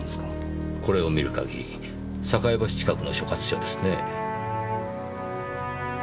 これを見る限り栄橋近くの所轄署ですねぇ。